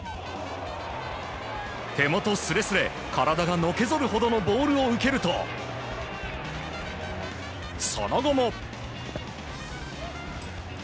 手元すれすれ、体がのけぞるほどのボールを受けるとその後も。